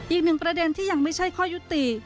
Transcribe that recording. อีกหนึ่งประเด็นที่ยังไม่ใช่ข้อยุติ